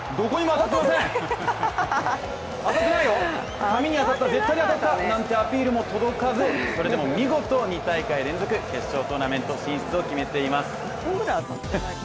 当たってないよ、髪に当たった絶対当たったなんていうアピールも届かずそれでも見事２大会連続決勝トーナメント進出を決めています。